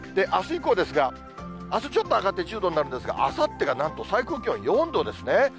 あす以降ですが、あす、ちょっと上がって１０度になるんですが、あさってがなんと最高気温４度ですね。